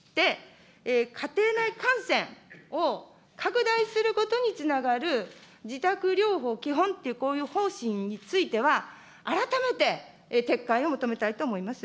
家庭内感染を拡大することにつながる、自宅療法、基本っていうこういう方針については、改めて撤回を求めたいと思います。